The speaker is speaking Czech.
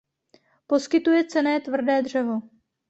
Poskytuje cenné tvrdé dřevo.